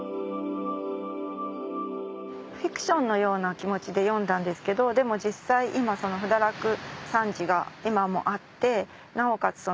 フィクションのような気持ちで読んだんですけどでも実際補陀洛山寺が今もあってなおかつ